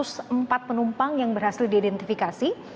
seempat penumpang yang berhasil diidentifikasi